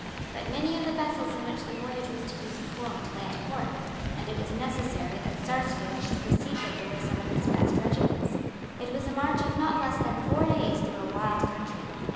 But many of the vessels in which the voyage was to be performed lay at Cork; and it was necessary that Sarsfield should proceed thither with some of his best regiments. It was a march of not less than four days through a wild country.